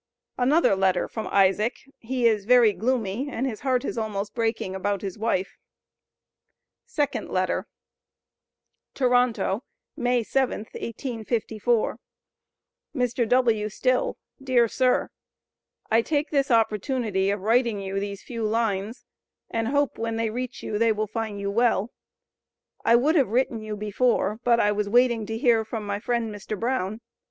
Another letter from Isaac. He is very gloomy and his heart is almost breaking about his wife. SECOND LETTER. TORONTO, May 7,1854. MR. W. STILL: Dear Sir I take this opportunity of writing you these few lines and hope when they reach you they will find you well. I would have written you before, but I was waiting to hear from my friend, Mr. Brown.